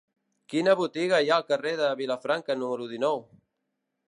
Quina botiga hi ha al carrer de Vilafranca número dinou?